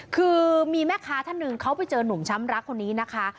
คือมีแม่ค้าท่านหนึ่งเขาไปเจอนุ่มช้ำรักคนนี้นะคะ